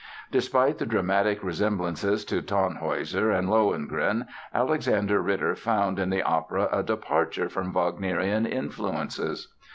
Despite the dramatic resemblances to Tannhäuser and Lohengrin Alexander Ritter found in the opera a departure from Wagnerian influences.